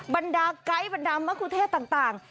บรรดาไกด์บรรดามะคุเทศต่าง